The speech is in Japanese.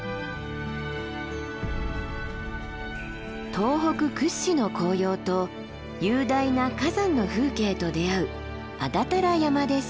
東北屈指の紅葉と雄大な火山の風景と出会う安達太良山です。